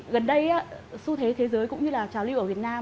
gần đây xu thế thế giới cũng như là trào lưu ở việt nam